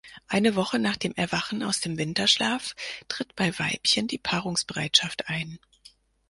Eine Woche nach dem Erwachen aus dem Winterschlaf tritt bei Weibchen die Paarungsbereitschaft ein.